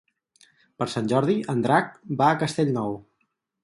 Per Sant Jordi en Drac va a Castellnou.